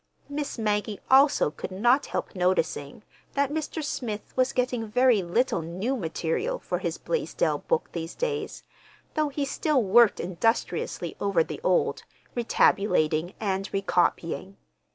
Miss Maggie also could not help noticing that Mr. Smith was getting very little new material for his Blaisdell book these days, though he still worked industriously over the old, re tabulating, and recopying.